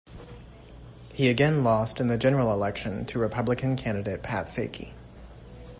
He again lost in the general election to Republican candidate Pat Saiki.